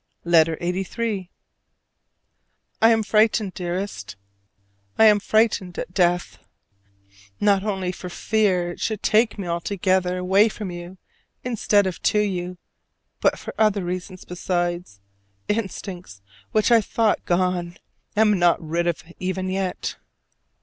LETTER LXXXIII. I am frightened, dearest, I am frightened at death. Not only for fear it should take me altogether away from you instead of to you, but for other reasons besides, instincts which I thought gone but am not rid of even yet.